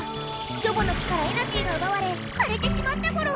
「キョボの木」からエナジーがうばわれかれてしまったゴロ！